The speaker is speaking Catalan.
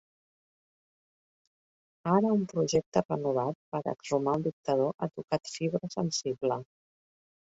Ara un projecte renovat per a exhumar el dictador ha tocat fibra sensible.